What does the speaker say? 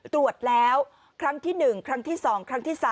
ตรวจแล้วครั้งที่๑ครั้งที่๒ครั้งที่๓